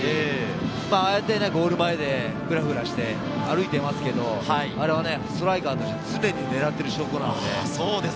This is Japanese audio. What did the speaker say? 相手がゴール前でふらふらして歩いていましたけれど、あれはストライカーというは常に狙っている証拠です。